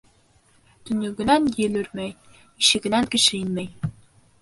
Төнлөгөнән ел өрмәй, ишегенән кеше инмәй.